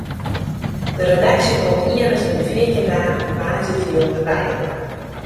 De redaksje komt ienris yn de fjirtjin dagen woansdeitejûns byinoar.